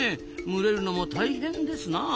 群れるのも大変ですなあ。